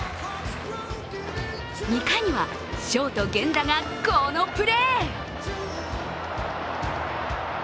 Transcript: ２回にはショート・源田がこのプレー。